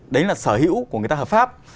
đấy là sở hữu của người ta hợp pháp